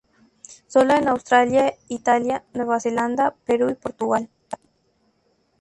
Sólo en Australia, Italia, Nueva Zelanda, Perú y Portugal.